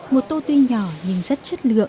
một tô tuy nhỏ nhưng rất chất lượng